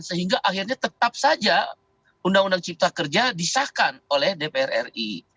sehingga akhirnya tetap saja undang undang cipta kerja disahkan oleh dpr ri